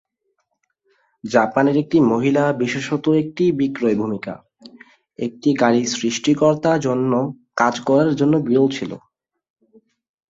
জাপানের একটি মহিলা বিশেষত একটি বিক্রয় ভূমিকা, একটি গাড়ী সৃষ্টিকর্তা জন্য কাজ করার জন্য বিরল ছিল।